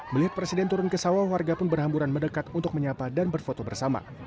melihat presiden turun ke sawah warga pun berhamburan mendekat untuk menyapa dan berfoto bersama